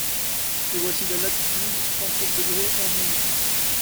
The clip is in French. Et voici la latitude: trente-sept degrés onze minutes.